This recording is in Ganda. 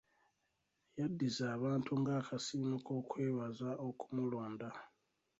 Yaddiza abantu nga akasiimo kw'okwebaza okumulonda.